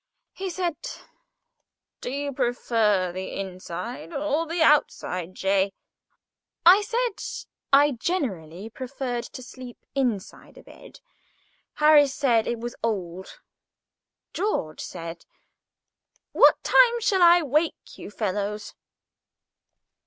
He said: "Do you prefer the inside or the outside, J.?" I said I generally preferred to sleep inside a bed. Harris said it was old. George said: "What time shall I wake you fellows?"